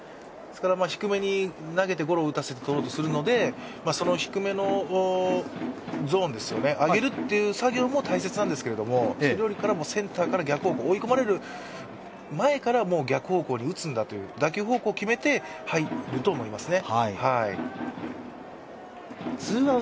低めに投げてゴロを打たせてとろうとするので、その低めのゾーンを上げるという作業も大切なんですけど、それよりもセンターから逆に、追い込まれる前から逆方向に打つんだという打球方向を決めて入ると思いますね。